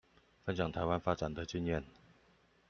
分享臺灣發展的經驗